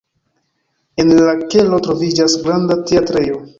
En la kelo troviĝas granda teatrejo.